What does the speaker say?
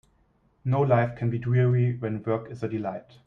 No life can be dreary when work is a delight.